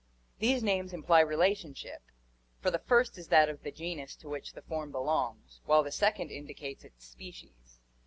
These names imply relationship, for the first is that of the genus to which the form belongs, while the second indicates its species.